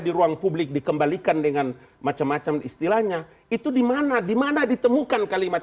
di ruang publik dikembalikan dengan macam macam istilahnya itu dimana dimana ditemukan kalimat